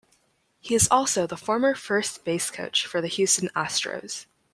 He is also the former first base coach for the Houston Astros.